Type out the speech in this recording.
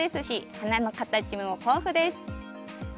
花の形も豊富です。